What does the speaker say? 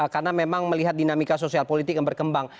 karena memang melihat dinamika sosial politik yang berkembang